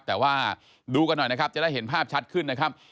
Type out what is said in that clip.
แต่ว่าดูกันหน่อยนะครับจะได้เห็นภาพชัดขึ้นนะครับ